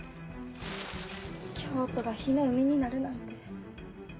京都が火の海になるなんて。